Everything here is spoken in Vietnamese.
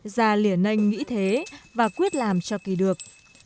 già liền ninh nghĩ thế và quyết làm cho kỳ được